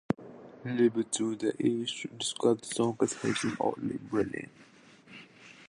Louise Bruton from "The Irish Times" described the song as "hazy and oddly brilliant".